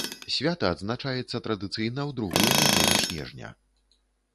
Свята адзначаецца традыцыйна ў другую нядзелю снежня.